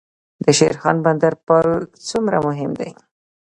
د شیرخان بندر پل څومره مهم دی؟